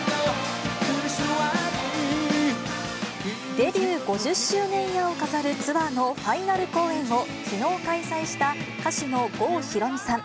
デビュー５０周年イヤーを飾るツアーのファイナル公演をきのう開催した歌手の郷ひろみさん。